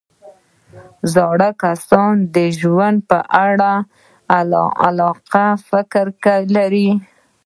زاړه کسان د ژوند په اړه عاقلانه فکر لري